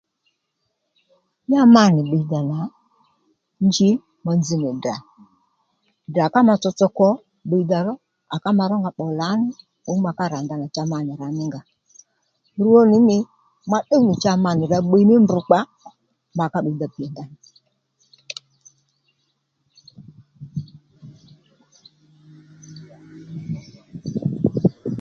Ya ma nì bbiydha nà nji ma nzz nì Ddrà Ddrà ka ma tsotso kwo bbiydha ró à ká ma rónga pbò lǎní pbǔw ma ká rà ndanà cha ma nì rǎ mí ngà rwo nì mî ma tdúw nì cha ma nì rǎ bbiy mí mbkpa ma ká bbiydha pì